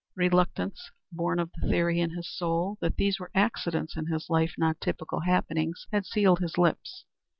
Reluctance, born of the theory in his soul that these were accidents in his life, not typical happenings, had sealed his lips.